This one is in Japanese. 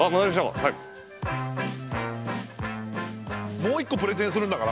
もう一個プレゼンするんだから。